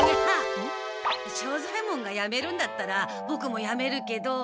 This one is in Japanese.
庄左ヱ門がやめるんだったらボクもやめるけど。